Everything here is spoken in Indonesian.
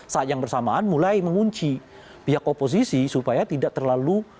saat yang bersamaan mulai mengunci pihak oposisi supaya tidak terlalu